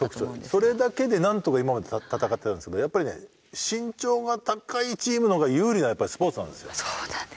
それだけでなんとか今まで戦ってきたんですけどやっぱり身長が高いチームの方が有利なスポーツなんですよ。